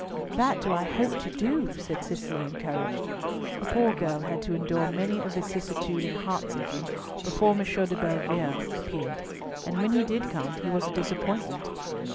"That do I hope to do," said Cicely, encouraged. The poor girl had to endure many a vicissitude and heart sinking before M. de Bellievre appeared; and when he did come, he was a disappointment.